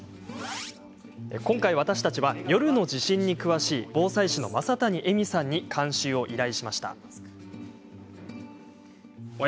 今回、私たちは夜の地震に詳しい防災士の正谷絵美さんに監修を依頼。